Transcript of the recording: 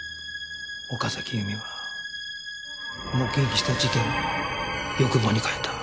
岡崎由美は目撃した事件を欲望に変えた。